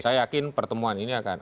saya yakin pertemuan ini akan